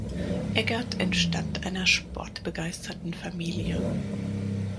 Eggert entstammt einer sportbegeisterten Familie.